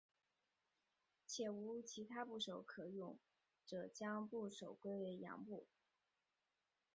且无其他部首可用者将部首归为羊部。